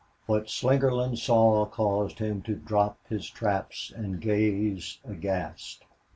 What Slingerland saw caused him to drop his traps and gaze aghast.